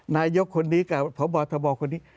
นายกคนนี้กับพบทบคนนี้